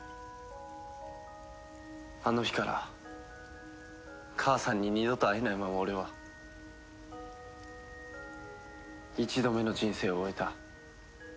あの日から母さんに二度と会えないまま俺は一度目の人生を終えた。